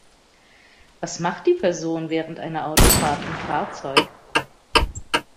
Was macht die Person während einer Autofahrt im Fahrzeug?